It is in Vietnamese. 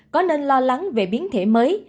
có nên lo lắng về biến thể mới